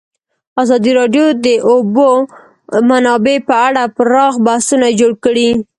ازادي راډیو د د اوبو منابع په اړه پراخ بحثونه جوړ کړي.